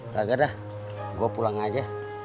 gak ada gua pulang aja